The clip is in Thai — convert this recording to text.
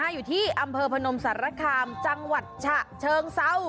อยู่ที่อำเภอพนมสารคามจังหวัดฉะเชิงเศร้า